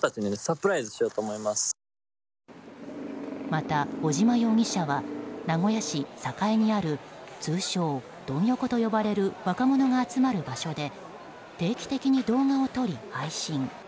また、尾島容疑者は名古屋市栄にある通称ドン横と呼ばれる若者が集まる場所で定期的に動画を撮り、配信。